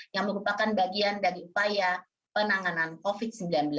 yang merupakan bagian dari upaya penanganan covid sembilan belas